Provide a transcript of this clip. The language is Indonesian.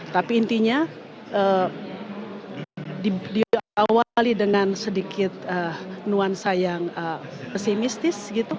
tapi intinya diawali dengan sedikit nuansa yang pesimistis